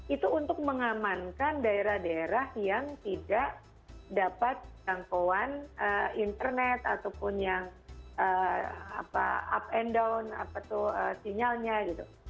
itu untuk mengamankan daerah daerah yang tidak dapat jangkauan internet ataupun yang up and down apa tuh sinyalnya gitu